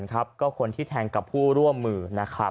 ก็คนที่แทงกับผู้ร่วมมือ